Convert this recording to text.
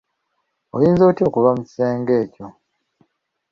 Oyinza otya okuva mu kisenge ekyo?